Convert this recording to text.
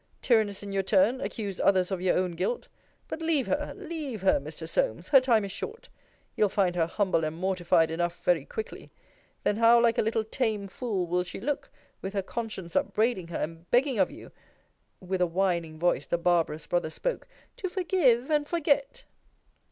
Tyraness in your turn, accuse others of your own guilt But leave her, leaver her, Mr. Solmes: her time is short. You'll find her humble and mortified enough very quickly. Then, how like a little tame fool will she look, with her conscience upbraiding her, and begging of you [with a whining voice, the barbarous brother spoke] to forgive and forget!